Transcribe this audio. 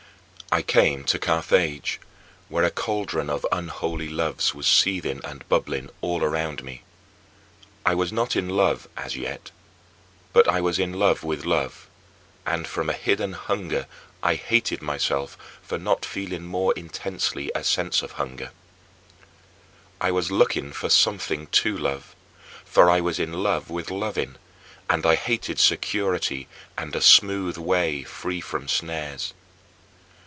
I came to Carthage, where a caldron of unholy loves was seething and bubbling all around me. I was not in love as yet, but I was in love with love; and, from a hidden hunger, I hated myself for not feeling more intensely a sense of hunger. I was looking for something to love, for I was in love with loving, and I hated security and a smooth way, free from snares.